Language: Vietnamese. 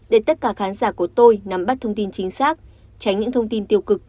để tất cả khán giả của tôi nắm bắt thông tin chính xác tránh những thông tin tiêu cực